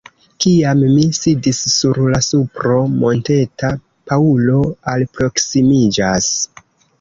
Kiam mi sidis sur la supro monteta, Paŭlo alproksimiĝas.